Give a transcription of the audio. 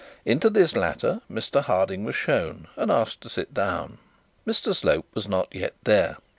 Into this latter Mr Harding was shown, and asked to sit down. Mr Slope was not yet there.